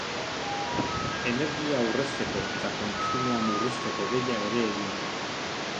Energia aurrezteko eta kontsumoa murrizteko deia ere egin dute.